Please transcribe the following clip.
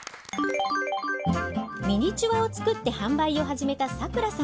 ミニチュアを作って販売を始めたサクラさん。